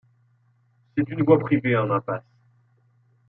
C'est une voie privée en impasse.